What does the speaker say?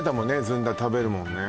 ずんだ食べるもんね